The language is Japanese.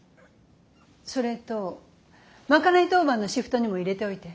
それと賄い当番のシフトにも入れておいて。